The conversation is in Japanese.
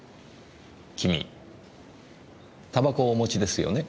君煙草をお持ちですよね。